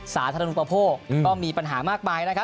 สาธารณูปโภคก็มีปัญหามากมายนะครับ